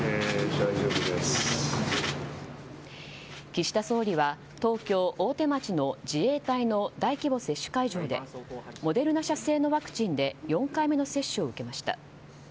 岸田総理は東京・大手町の自衛隊の大規模接種会場でモデルナ社製のワクチンで４回目の接種を受けました。